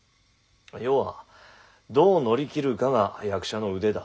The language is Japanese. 要はどう乗り切るかが役者の腕だ。